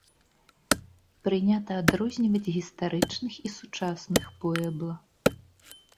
Прынята адрозніваць гістарычных і сучасных пуэбла.